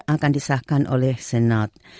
akan disahkan oleh senat